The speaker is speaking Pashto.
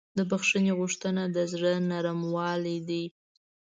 د بښنې غوښتنه د زړه نرموالی ده.